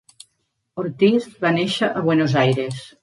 Ortiz va néixer a Buenos Aires.